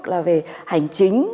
là về hành chính